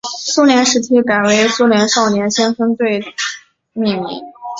苏联时期改以苏联少年先锋队命名。